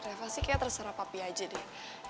reva sih kayak terserah papi aja deh